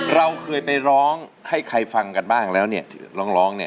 เราเคยไปร้องให้ใครฟังกันบ้างแล้วเนี่ยร้องเนี่ย